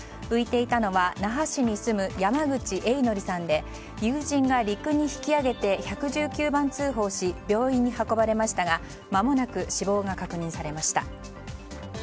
浮いていたのは那覇市に住む山口栄典さんで友人が陸に引き上げて１１９番通報し病院に運ばれましたがまもなく死亡が確認されました。